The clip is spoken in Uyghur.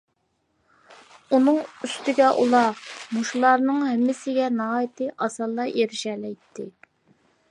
ئۇنىڭ ئۈستىگە ئۇلار مۇشۇلارنىڭ ھەممىسىگە ناھايىتى ئاسانلا ئېرىشەلەيتتى.